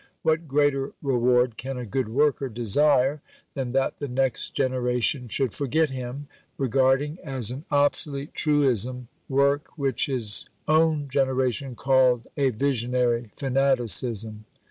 What greater reward can a good worker desire than that the next generation should forget him, regarding as an obsolete truism work which his own generation called a visionary fanaticism?